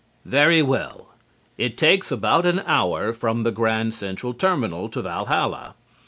Very well. It takes about an hour from the Grand Central Terminal to Valhalla.